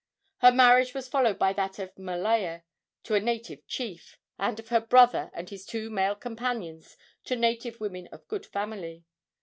Her marriage was followed by that of Malaea to a native chief, and of her brother and his two male companions to native women of good family.